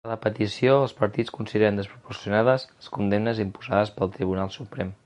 A la petició, els partits consideren ‘desproporcionades’ les condemnes imposades pel Tribunal Suprem.